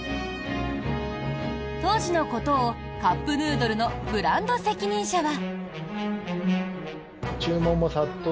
当時のことをカップヌードルのブランド責任者は。